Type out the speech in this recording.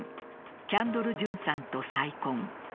キャンドル・ジュンさんと再婚。